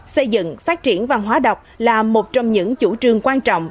xây dựng phát triển văn hóa đọc là một trong những chủ trương quan trọng